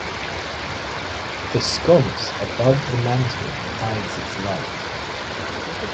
The sconce above the mantel hides its light.